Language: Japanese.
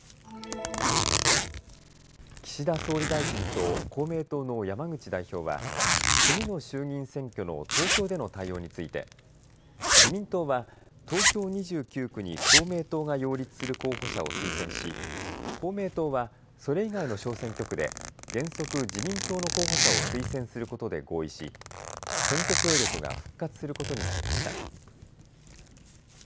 岸田総理大臣と公明党の山口代表は次の衆議院選挙の東京での対応について、自民党は東京２９区に公明党が擁立する候補者を推薦し公明党はそれ以外の小選挙区で原則自民党の候補者を推薦することで合意し、選挙協力が復活することになりました。